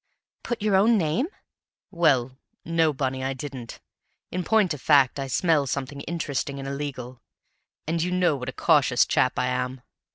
"Put your own name?" "Well no, Bunny, I didn't. In point of fact I smell something interesting and illegal, and you know what a cautious chap I am.